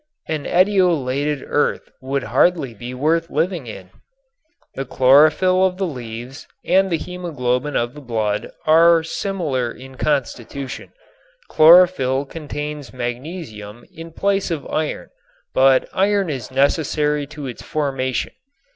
An etiolated earth would be hardly worth living in. The chlorophyll of the leaves and the hemoglobin of the blood are similar in constitution. Chlorophyll contains magnesium in place of iron but iron is necessary to its formation.